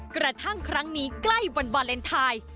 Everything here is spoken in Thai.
กระทั่งครั้งนี้ใกล้วันวาเลนไทย